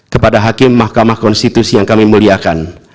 kepada hakim mahkamah konstitusi yang kami muliakan